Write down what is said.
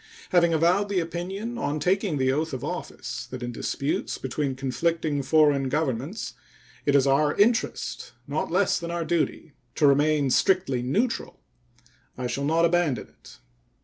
Having avowed the opinion on taking the oath of office that in disputes between conflicting foreign governments it is our interest not less than our duty to remain strictly neutral, I shall not abandon it.